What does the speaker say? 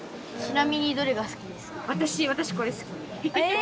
え！